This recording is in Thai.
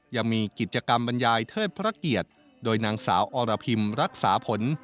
ยังมีกิจกรรมบรรยายเทิดพระเกียรติโดยนางสาวอรพิมรักษาผล